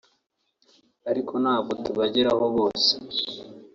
ariko ntabwo tubageraho bose